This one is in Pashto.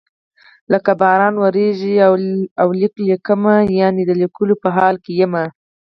لکه باران وریږي او لیک لیکم یعنی د لیکلو په حال کې یم.